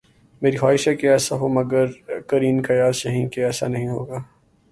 میری خواہش ہے کہ ایسا ہو مگر قرین قیاس یہی کہ ایسا نہیں ہو گا۔